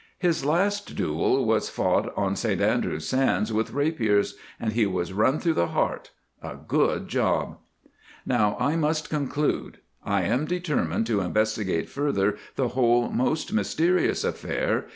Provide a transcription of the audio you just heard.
His last duel was fought on St Andrews sands with rapiers, and he was run through the heart—a good job. Now I must conclude. I am determined to investigate further the whole most mysterious affair.